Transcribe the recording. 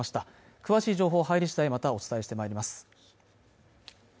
詳しい情報入りしだいまたお伝えしてまいります